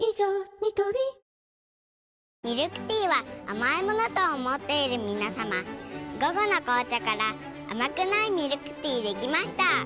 ニトリミルクティーは甘いものと思っている皆さま「午後の紅茶」から甘くないミルクティーできました。